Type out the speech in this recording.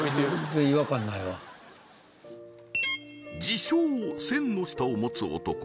自称千の舌を持つ男